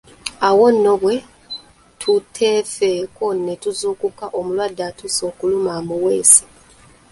Awo nno bwe tutefeeko ne tuzuukuka omulwadde atuuse okuluma amuweese!